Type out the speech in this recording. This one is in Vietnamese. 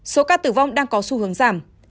số ca tử vong đang có xu hướng giảm